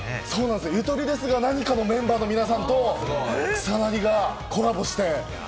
『ゆとりですがなにか』のメンバーと草薙がコラボして。